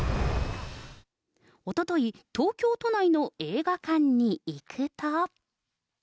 おととい、東京都内の映画館に行くと。